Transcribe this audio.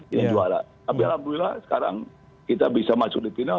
juara tapi alhamdulillah sekarang kita bisa masuk di final